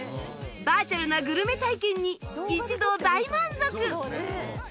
バーチャルなグルメ体験に一同大満足！